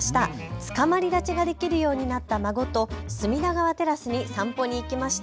つかまり立ちができるようになった孫と隅田川テラスに散歩に行きました。